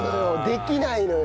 できないのよ。